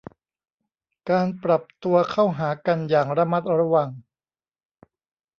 การปรับตัวเข้าหากันอย่างระมัดระวัง